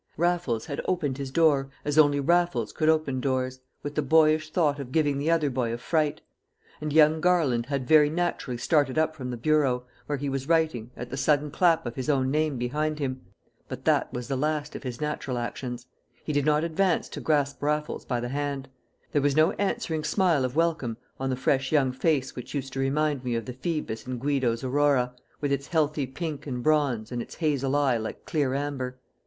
Raffles had opened his door as only Raffles could open doors, with the boyish thought of giving the other boy a fright; and young Garland had very naturally started up from the bureau, where he was writing, at the sudden clap of his own name behind him. But that was the last of his natural actions. He did not advance to grasp Raffles by the hand; there was no answering smile of welcome on the fresh young face which used to remind me of the Phoebus in Guido's Aurora, with its healthy pink and bronze, and its hazel eye like clear amber.